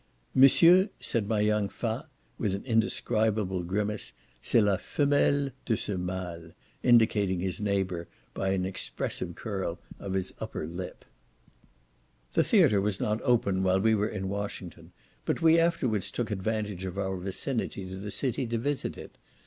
"Monsieur," said my young fat, with an indescribable grimace, "c'est la femelle de ce male, " indicating his neighbour by an expressive curl of his upper lip. The theatre was not open while we were in Washington, but we afterwards took advantage of our vicinity to the city, to visit it.